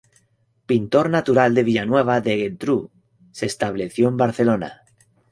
Pintor natural de Villanueva y Geltrú, se estableció en Barcelona.